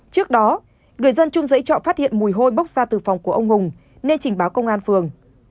trước đó người dân chung giấy trọ phát hiện mùi hôi bốc ra từ phòng của ông hùng nên trình báo công an phường